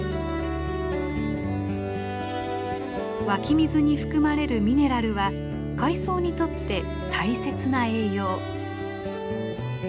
湧き水に含まれるミネラルは海藻にとって大切な栄養。